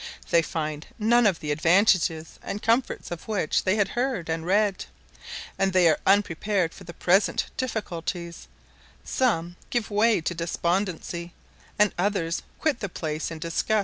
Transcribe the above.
They find none of the advantages and comforts of which they had heard and read, and they are unprepared for the present difficulties; some give way to despondency, and others quit the place in disgust.